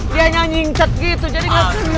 dia nyanying cek gitu jadi gak kena